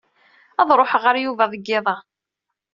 Ad ṛuḥeɣ ɣer Yuba deg yiḍ-a.